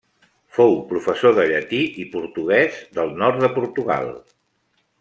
Fou professor de llatí i portuguès del nord de Portugal.